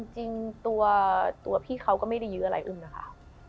จริงตัวพี่เขาก็ไม่ได้ยื้ออะไรอึ้งนะคะ